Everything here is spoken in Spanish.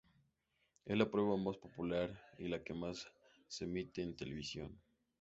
Es la prueba más popular y la que más se emite en televisión.